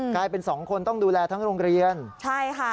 กลายเป็นสองคนต้องดูแลทั้งโรงเรียนใช่ค่ะ